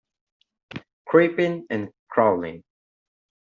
Creeping and crawling